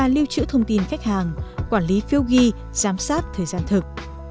lưu trữ thông tin khách hàng quản lý phiêu ghi giám sát thời gian thực